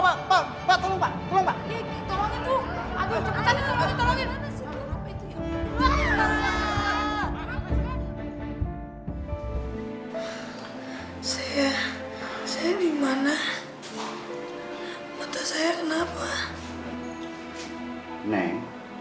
kamu baru saja selesai berjalan ke rumah